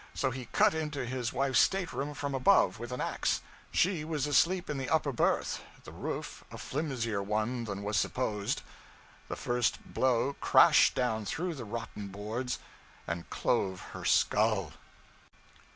So he cut into his wife's state room from above with an ax; she was asleep in the upper berth, the roof a flimsier one than was supposed; the first blow crashed down through the rotten boards and clove her skull.